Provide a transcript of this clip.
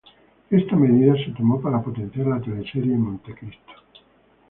Está medida se tomó para potenciar la teleserie ""Montecristo"".